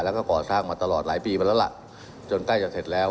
แล้วก็ก่อสร้างมาตลอดหลายปีมาแล้วล่ะจนใกล้จะเสร็จแล้ว